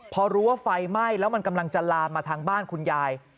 พอรู้ว่าไฟไหม้แล้วมันกำลังจะลามมาทางบ้านคุณยาย